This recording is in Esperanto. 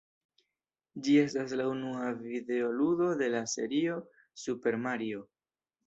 Ĝi estas la unua videoludo de la serio "Super Mario".